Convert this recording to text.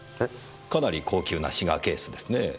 かなり高級なシガーケースですねぇ。